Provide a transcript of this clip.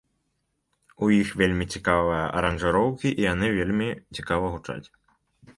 У іх вельмі цікавыя аранжыроўкі і яны вельмі цікава гучаць.